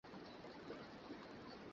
দারোয়ানকে বললেন, ভোর হবার আগে গেট খুলবে না।